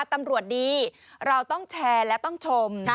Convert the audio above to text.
ตำรวจดีเราต้องแชร์และต้องชม